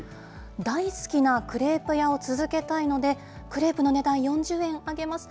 大好きなクレープ屋を続けたいので、クレープの値段４０円上げます。